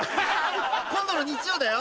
今度の日曜だよ？